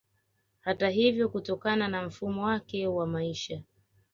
Hata hivyo kutokana na mfumo wake wa maisha